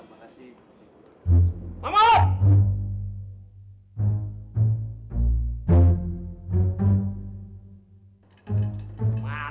masih sih cuman